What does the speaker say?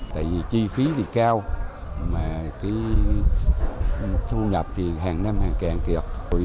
tại vì chi phí thì cao mà thu nhập thì hàng năm hàng càng kịp